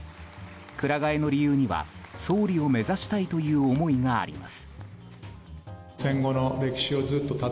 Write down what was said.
くら替えの理由には総理を目指したいという思いがあります。